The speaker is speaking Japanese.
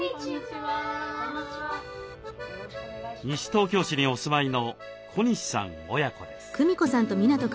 西東京市にお住まいの小西さん親子です。